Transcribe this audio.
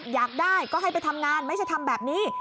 อยากได้ก็ให้ไปทำงานไม่ใช่ทำแบบนี้